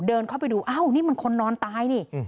เดินเข้าไปดูอ้าวนี่มันคนนอนตายนี่